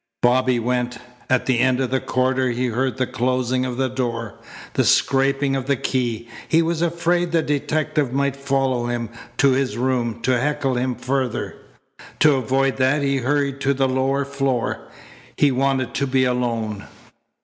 Bobby went. At the end of the corridor he heard the closing of the door, the scraping of the key. He was afraid the detective might follow him to his room to heckle him further. To avoid that he hurried to the lower floor. He wanted to be alone.